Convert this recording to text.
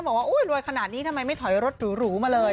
บอกว่ารวยขนาดนี้ทำไมไม่ถอยรถหรูมาเลย